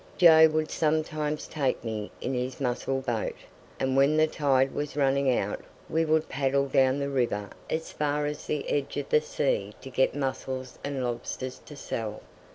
Joe would sometimes take me in his mussel boat, and when the tide was running out we would paddle down the river as far as the edge of the sea to get mussels and lobsters to sell.